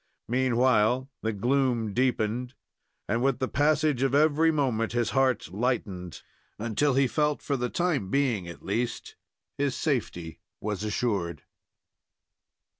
Meanwhile the gloom deepened, and with the passage of every moment his heart lightened, until he felt that for the time being, at least, his safety was assured.